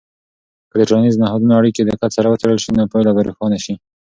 که د ټولنیزو نهادونو اړیکې دقت سره وڅیړل سي، نو پایله به روښانه سي.